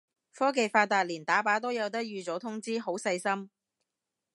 科技發達連打靶都有得預早通知，好細心